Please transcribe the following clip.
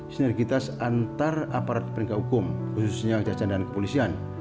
senergitas antar aparat peringkat hukum khususnya jasaan dan kepolisian